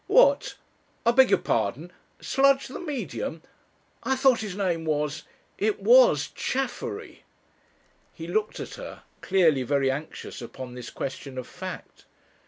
"What? I beg your pardon. Sludge, the Medium? I thought his name was it was Chaffery." He looked at her, clearly very anxious upon this question of fact.